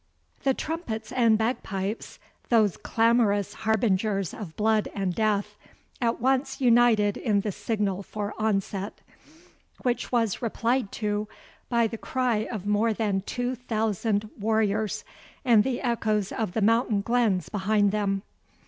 The trumpets and bagpipes, those clamorous harbingers of blood and death, at once united in the signal for onset, which was replied to by the cry of more than two thousand warriors, and the echoes of the mountain glens behind them.